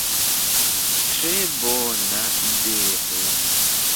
Tre bona ideo!